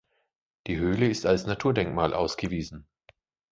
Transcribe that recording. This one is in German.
Die Höhle ist als Naturdenkmal ausgewiesen.